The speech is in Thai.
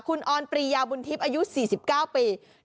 คุณออนปรียาบุญทิพย์อายุ๔๙ปี